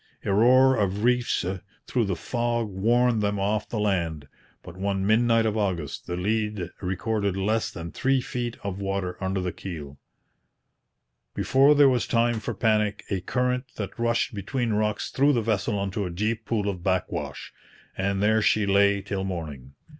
A roar of reefs through the fog warned them off the land; but one midnight of August the lead recorded less than three feet of water under the keel. Before there was time for panic, a current that rushed between rocks threw the vessel into a deep pool of backwash; and there she lay till morning.